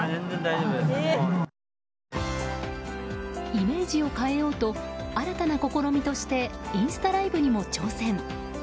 イメージを変えようと新たな試みとしてインスタライブにも挑戦。